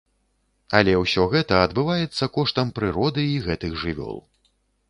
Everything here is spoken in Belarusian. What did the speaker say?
Але ўсё гэта адбываецца коштам прыроды і гэтых жывёл.